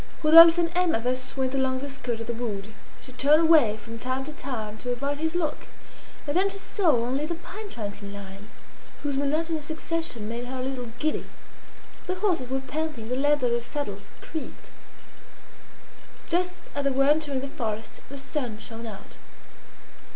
Rodolphe and Emma thus went along the skirt of the wood. She turned away from time to time to avoid his look, and then she saw only the pine trunks in lines, whose monotonous succession made her a little giddy. The horses were panting; the leather of the saddles creaked. Just as they were entering the forest the sun shone out.